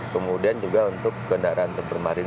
kemudian juga untuk kendaraan terpermarin